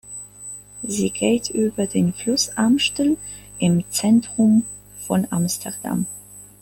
Sie geht über den Fluss Amstel im Zentrum von Amsterdam.